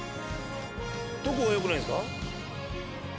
どこがよくないんですか？